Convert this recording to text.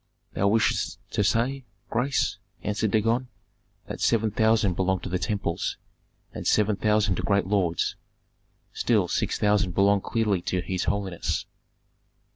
"Thou wishest to say, grace," answered Dagon, "that seven thousand belong to the temples, and seven thousand to great lords. Still six thousand belong clearly to his holiness."